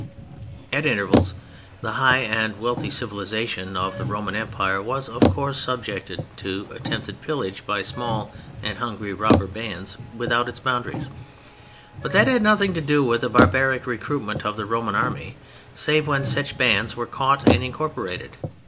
At intervals the high and wealthy civilization of the Roman Empire was, of course, subjected to attempted pillage by small and hungry robber bands without its boundaries, but that had nothing to do with the barbaric recruitment of the Roman Army save when such bands were caught and incorporated.